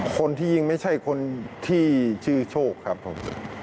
คนที่ยิงไม่ใช่คนที่ชื่อโชคครับผม